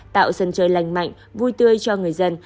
tạo sân chơi lành mạnh vui tươi cho người dân